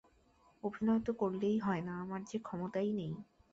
অভিনয় তো করলেই হয় না– আমার যে ক্ষমতাই নেই।